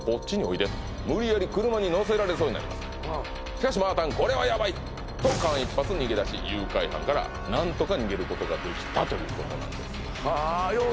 しかしまあたんこれはヤバい！と間一髪逃げだし誘拐犯から何とか逃げることができたということなんですはあよう